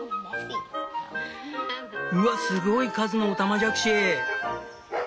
うわすごい数のオタマジャクシ！